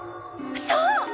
そう！